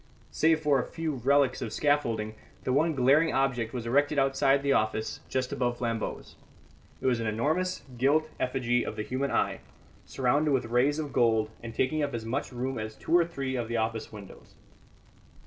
Save for a few relics of scaffolding, the one glaring object was erected outside the office just above Flambeau's. It was an enormous gilt effigy of the human eye, surrounded with rays of gold, and taking up as much room as two or three of the office windows.